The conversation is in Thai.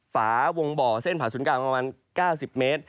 ฝาวงบ่อเส้นผ่าศูนย์กลางประมาณ๙๐เมตร